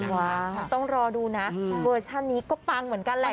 ต้องรอดูนะเวอร์ชันนี้ก็ปังเหมือนกันแหละ